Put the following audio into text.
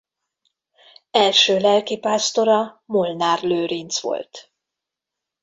Első lelkipásztora Molnár Lőrinc volt.